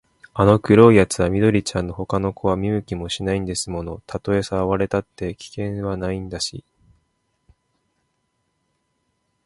あの黒いやつは緑ちゃんのほかの子は見向きもしないんですもの。たとえさらわれたって、危険はないんだし、